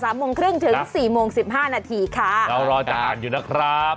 โมงครึ่งถึงสี่โมงสิบห้านาทีค่ะเรารอจะอ่านอยู่นะครับ